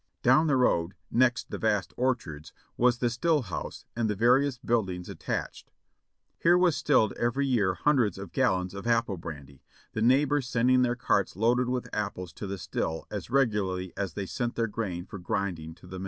Down the road, next the vast orchards, was the still house and the various buildings attached ; here was stilled every year hun dreds of gallons of apple brandy, the neighbors sending their carts loaded with apples to the still as regularly as they sent their grain for grinding to the mill.